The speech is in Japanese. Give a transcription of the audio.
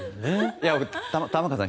玉川さん